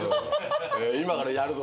今からやるぞ。